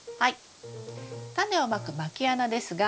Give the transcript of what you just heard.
タネをまくまき穴ですが。